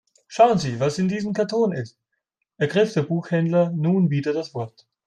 Schauen Sie, was in diesem Karton ist, ergriff der Buchhändler nun wieder das Wort.